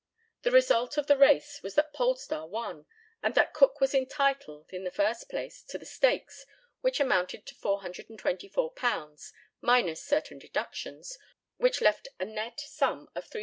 The result of the race was that Polestar won, and that Cook was entitled, in the first place, to the stakes, which amounted to £424, minus certain deductions, which left a net sum of £381 19s.